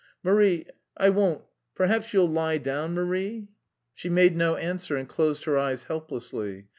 "Marie, I won't.... Perhaps you'll lie down, Marie?" She made no answer and closed her eyes helplessly.